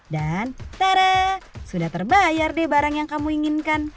dan tadaaa sudah terbayar deh barang yang kamu inginkan